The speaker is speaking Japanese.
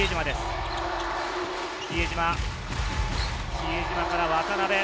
比江島から渡邉。